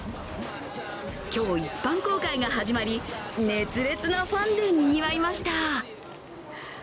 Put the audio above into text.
今日一般公開が始まり熱烈なファンでにぎわいました。